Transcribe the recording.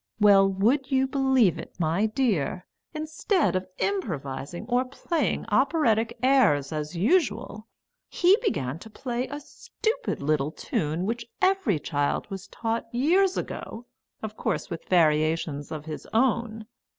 Well, would you believe it, my dear! instead of improvising or playing operatic airs as usual, he began to play a stupid little tune which every child was taught years ago, of course with variations of his own.